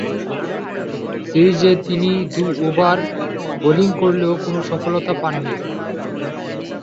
সিরিজে তিনি দুই ওভার বোলিং করলেও কোন সফলতা পাননি।